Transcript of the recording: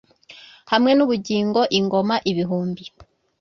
hamwe n’ubugingo ingoma ibihumbi